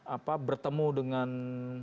apa bertemu dengan